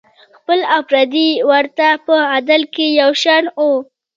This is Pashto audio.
خپل او پردي ورته په عدل کې یو شان وو.